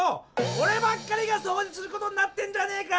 おればっかりがそうじすることになってんじゃねえか！